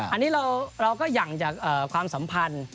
อันนี้เราก็หยั่งจากความสัมพันธ์